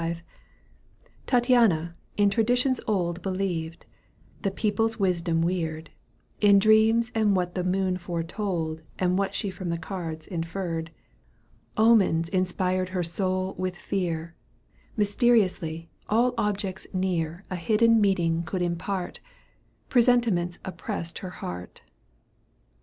V. ^ Tattiana in traditions old Believed, the people's wisdom weird. In dreams and what the moon foretold And what she from the cards inferred, к Digitized by VjOOQ 1С 130 EUGENE ONlfeGUINE. canto v. Omens inspired her soul with fear, Mysteriously all objects near A hidden meaning could impart, Presentiments oppressed her heart.